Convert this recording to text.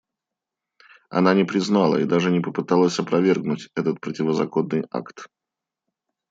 Она не признала и даже не попыталась опровергнуть этот противозаконный акт.